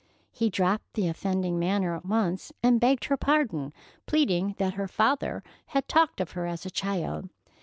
He dropped the offending manner at once, and begged her pardon, pleading that her father had talked of her as a child.